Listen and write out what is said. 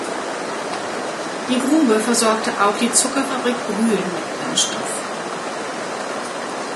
Die Grube versorgte auch die Zuckerfabrik Brühl mit Brennstoff.